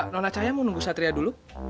nona cahaya mau nunggu satria dulu